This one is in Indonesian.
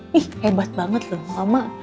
wih hebat banget loh mama